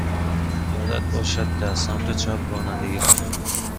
یادت باشد در سمت چپ رانندگی کنی.